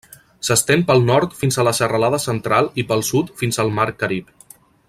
S'estén pel nord fins a la Serralada Central i pel sud fins al mar Carib.